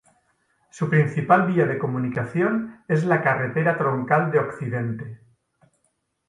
Su principal vía de comunicación es la carretera Troncal de Occidente.